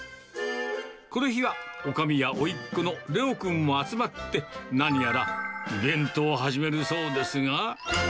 この日は、おかみやおいっ子のレオ君も集まって、何やらイベントを始めるそうですが。